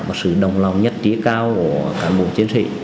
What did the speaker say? và sự đồng lòng nhất trí cao của cán bộ chiến sĩ